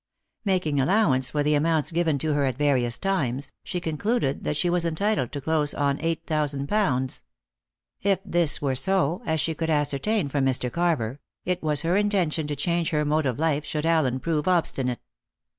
Making allowance for the amounts given to her at various times, she concluded that she was entitled to close on eight thousand pounds. If this were so as she could ascertain from Mr. Carver it was her intention to change her mode of life should Allen prove obstinate.